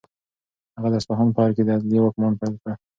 هغه د اصفهان په ارګ کې د عدل واکمني پیل کړه.